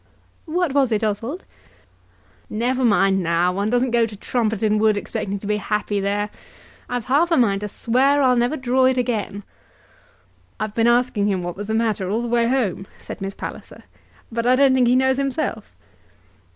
"What was it, Oswald?" "Never mind now. One doesn't go to Trumpeton Wood expecting to be happy there. I've half a mind to swear I'll never draw it again." "I've been asking him what was the matter all the way home," said Miss Palliser, "but I don't think he knows himself."